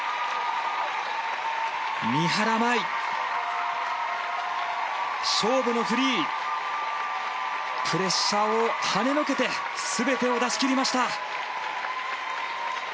三原舞依、勝負のフリープレッシャーを跳ねのけて全てを出しきりました。